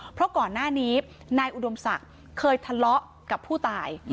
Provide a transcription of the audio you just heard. เพราะก่อนหน้านี้นายอุดมศักดิ์เคยทะเลาะกับผู้ตาย